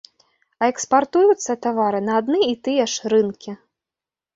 А экспартуюцца тавары на адны і тыя ж рынкі.